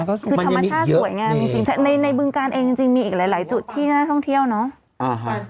คือธรรมดาสวยงานจริงจริงแต่ในในบึงการเองจริงจริงมีอีกหลายหลายจุดที่น่าท่องเที่ยวเนาะ